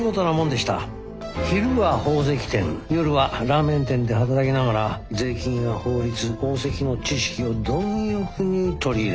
昼は宝石店夜はラーメン店で働きながら税金や法律宝石の知識を貪欲に取り入れた。